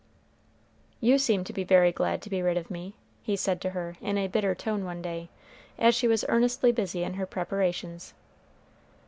"You seem to be very glad to be rid of me," he said to her in a bitter tone one day, as she was earnestly busy in her preparations.